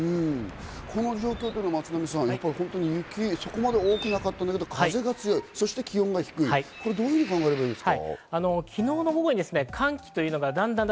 この状況、松並さん、雪、そこまで多くなかったんだけれども、風が強い、そして気温が低い、どういうふうに考えたらいいですか？